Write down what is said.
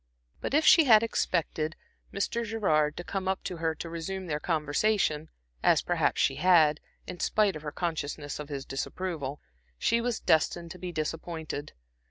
But if she had expected Mr. Gerard to come up to her to resume their conversation, as perhaps she had, in spite of her consciousness of his disapproval, she was destined to be disappointed.